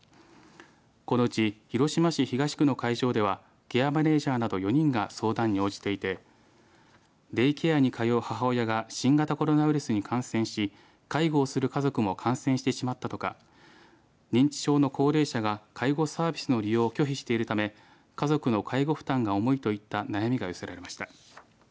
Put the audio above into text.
このうち、広島市東区の会場ではケアマネージャーなど４人が相談に応じていてデイケアに通う母親が新型コロナウイルスに感染し介護をする家族も感染してしまったとか認知症の高齢者が介護サービスの利用を拒否しているため家族の介護負担が重いといった悩みが寄せられました。